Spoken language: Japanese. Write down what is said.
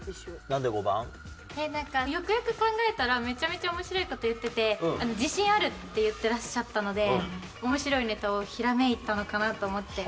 なんかよくよく考えたらめちゃめちゃ面白い事言ってて自信あるって言ってらっしゃったので面白いネタをひらめいたのかなと思って。